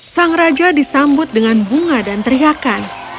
sang raja disambut dengan bunga dan teriakan